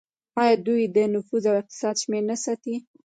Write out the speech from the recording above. آیا دوی د نفوس او اقتصاد شمیرې نه ساتي؟